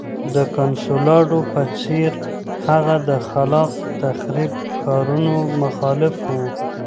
د کنسولاډو په څېر هغه د خلاق تخریب کارونو مخالف و.